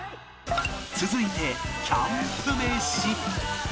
続いてキャンプ飯